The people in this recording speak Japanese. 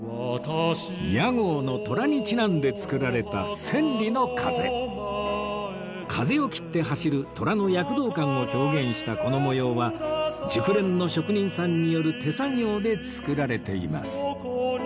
屋号の虎にちなんで作られた「千里の風」したこの模様は熟練の職人さんによる手作業で作られています